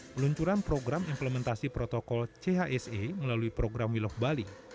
peluncuran program implementasi protokol chse melalui program wiloh bali